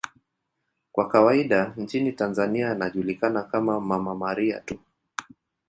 Kwa kawaida nchini Tanzania anajulikana kama 'Mama Maria' tu.